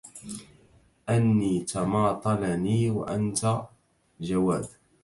أنى تماطلني وأنت جواد